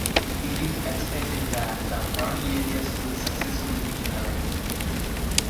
It is expected that the burned areas will successfully regenerate.